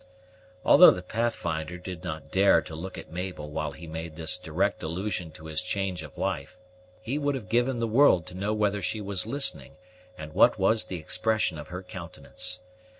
Although the Pathfinder did not dare to look at Mabel while he made this direct allusion to his change of life, he would have given the world to know whether she was listening, and what was the expression of her countenance.